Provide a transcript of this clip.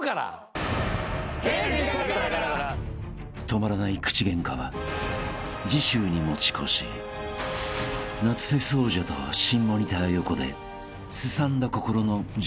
［止まらない口ゲンカは次週に持ち越し夏フェス王者と新モニター横ですさんだ心の浄化タイムへ］